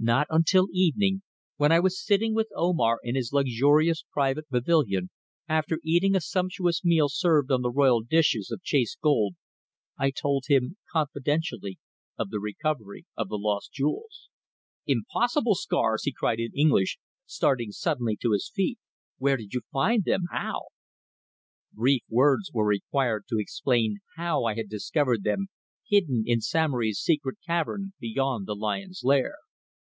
Not until evening, when I was sitting with Omar in his luxurious private pavilion after eating a sumptuous meal served on the royal dishes of chased gold, I told him confidentially of the recovery of the lost jewels. "Impossible, Scars!" he cried in English, starting suddenly to his feet. "Where did you find them? How?" Brief words were required to explain how I had discovered them hidden in Samory's secret cavern beyond the lion's lair.